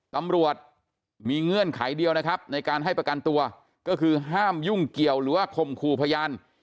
ตำรวจมีเงื่อนไขเดียวนะครับในการให้ประกันตัวก็คือห้ามยุ่งเกี่ยวหรือว่าข่มขู่พยาน